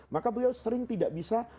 maka beliau sering tidak bisa